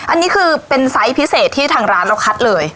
อันนี้คือเป็นไซส์พิเศษที่ทางร้านเราคัดเลย